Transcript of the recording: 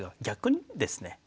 逆にですね